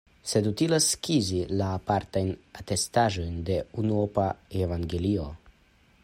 Sed utilas skizi la apartajn atestaĵojn de unuopa evangelio.